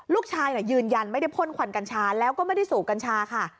ยืนยันไม่ได้พ่นควันกัญชาแล้วก็ไม่ได้สูบกัญชาค่ะ